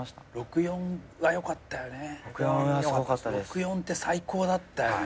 ロクヨンって最高だったよね。